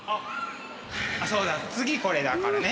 あっそうだ次これだからね。